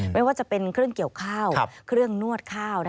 ไม่ว่าจะเป็นเครื่องเกี่ยวข้าวเครื่องนวดข้าว